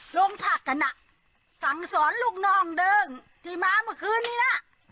โรงพักกันน่ะสั่งสอนลูกน้องเดิมที่มาเมื่อคืนนี้น่ะ